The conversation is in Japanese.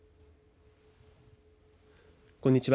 こんにちは。